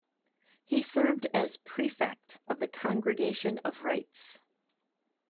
He served as Prefect of the Congregation of Rites.